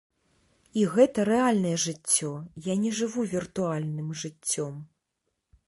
І гэта рэальнае жыццё, я не жыву віртуальным жыццём.